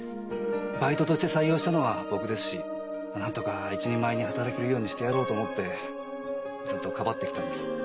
バイトとして採用したのは僕ですしなんとか一人前に働けるようにしてやろうと思ってずっとかばってきたんです。